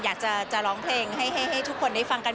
อยากจะร้องเพลงให้ทุกคนได้ฟังกัน